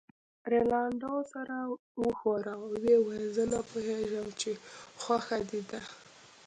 رینالډي سر و ښوراوه او ویې ویل: زه نه پوهېدم چې خوښه دې ده.